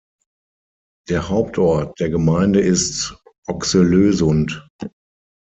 Der Hauptort der Gemeinde ist Oxelösund.